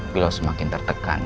beliau semakin tertekan